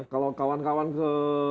kalau kawan kawan ke